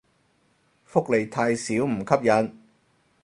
福利太少唔吸引